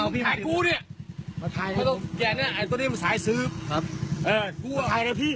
พี่รักผมไง